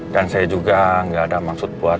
dan saya juga gak ada maksud buat